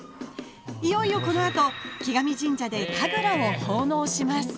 いよいよこのあと城上神社で、神楽を奉納します。